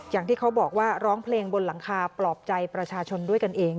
อย่างที่เขาบอกว่าร้องเพลงบนหลังคาปลอบใจประชาชนด้วยกันเอง